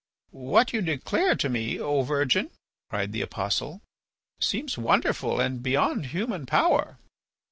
"What you declare to me, O virgin," cried the apostle, "seems wonderful and beyond human power."